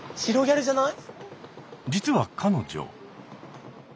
実は彼女。